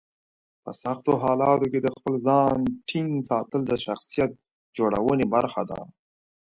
په سختو حالاتو کې د خپل ځان ټینګ ساتل د شخصیت جوړونې برخه ده.